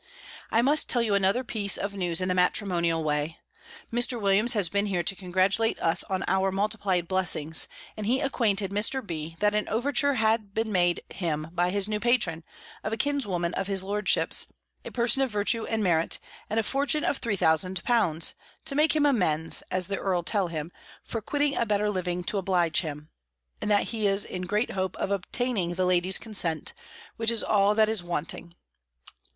I must tell you another piece of news in the matrimonial way. Mr. Williams has been here to congratulate us on our multiplied blessings; and he acquainted Mr. B. that an overture has been made him by his new patron, of a kinswoman of his lordship's, a person of virtue and merit, and a fortune of three thousand pounds, to make him amends, as the earl tell him, for quitting a better living to oblige him; and that he is in great hope of obtaining the lady's consent, which is all that is wanting.